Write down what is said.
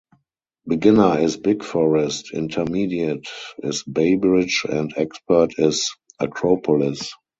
Beginner is "Big Forest", intermediate is "Bay Bridge" and expert is "Acropolis".